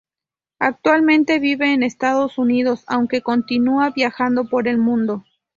Actualmente vive en Estados Unidos, aunque continúa viajando por el mundo.